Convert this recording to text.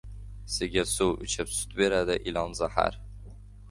• Sigir suv ichib sut beradi, ilon — zahar.